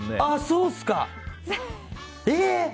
そうっすかえ！